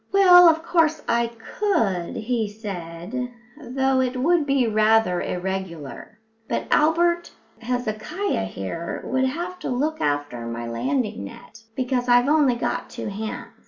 "Well, of course I could," he said, "though it would be rather irregular. But Albert Hezekiah here would have to look after my landing net, because I've only got two hands."